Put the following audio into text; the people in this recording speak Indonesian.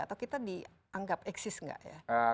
atau kita dianggap eksis gak ya